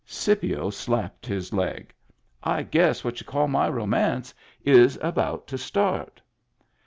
Scipio slapped his leg. "I guess what y'u call my romance is about to start."